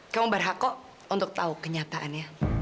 kamu berhako untuk tahu kenyataannya